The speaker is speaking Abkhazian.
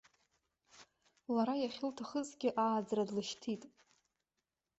Лара иахьылҭахызгьы ааӡара длышьҭит.